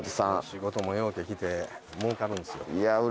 仕事もようけ来て儲かるんすよ